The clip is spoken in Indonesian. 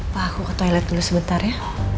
pak aku ke toilet dulu sebentar ya